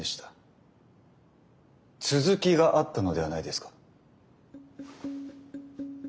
続きがあったのではないですか？